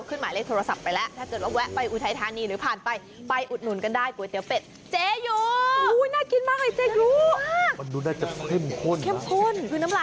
คือน้ำลายเรียนชั้นชอบก๋วยเตี๋ยวเป็ดเหมือนกันนะ